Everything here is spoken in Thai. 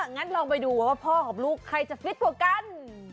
งั้นลองไปดูว่าพ่อกับลูกใครจะฟิตกว่ากัน